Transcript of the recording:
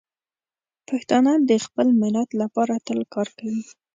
پښتانه د خپل ملت لپاره تل کار کوي.